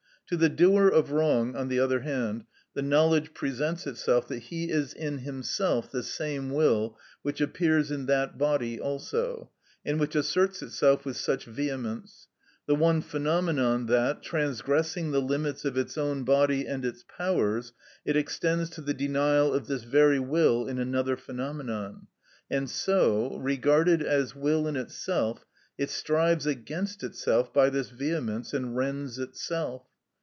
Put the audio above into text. To the doer of wrong, on the other hand, the knowledge presents itself that he is in himself the same will which appears in that body also, and which asserts itself with such vehemence; the one phenomenon that, transgressing the limits of its own body and its powers, it extends to the denial of this very will in another phenomenon, and so, regarded as will in itself, it strives against itself by this vehemence and rends itself.